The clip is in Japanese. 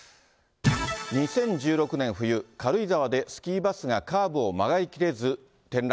２０１６年冬、軽井沢でスキーバスがカーブを曲がりきれず転落。